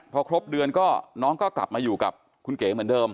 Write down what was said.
พอครบเดือนก็น้องก็กลับมาอยู่กับคุณเก๋เหมือนเดิม